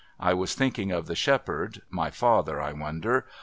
I was thinking of the shepherd (my father, I wonder?)